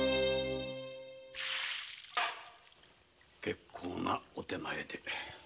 結構なお点前で。